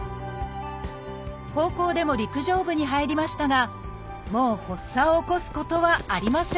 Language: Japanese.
高校でも陸上部に入りましたがもう発作を起こすことはありません